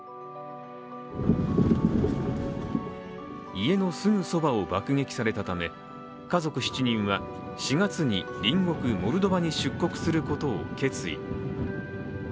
家のすぐそばを爆撃されたため家族７人は４月に隣国モルドバに出国することを決意。